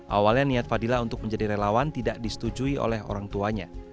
awalnya niat fadilah untuk menjadi relawan tidak disetujui oleh orang tuanya